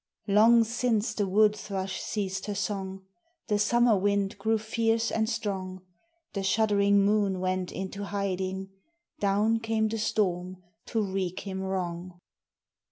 Long since the wood thrush ceased her song; The summer wind grew fierce and strong; The shuddering moon went into hiding; Down came the storm to wreak him wrong.